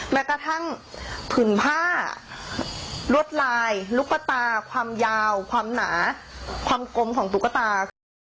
แม้กระทั่งผืนผ้าลวดลายลูกตาความยาวความหนาความกลมของตุ๊กตาคือ